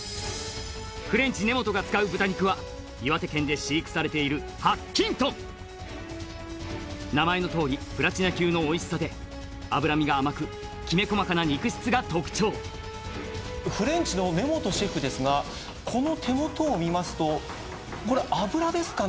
フレンチ根本が使う豚肉は岩手県で飼育されている白金豚名前のとおりプラチナ級のおいしさで脂身が甘くきめ細かな肉質が特徴フレンチの根本シェフですがこの手元を見ますとこれ油ですかね